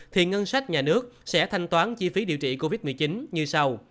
thì ngân sách nhà nước sẽ thanh toán chi phí điều trị covid một mươi chín như sau